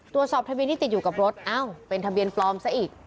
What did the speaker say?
ตรวจสอบทะเบียนที่ติดอยู่กับรถอ้าวเป็นทะเบียนปลอมซะอีก